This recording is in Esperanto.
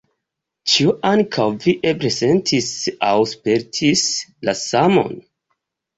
Ĉu ankaŭ vi eble sentis aŭ spertis la samon?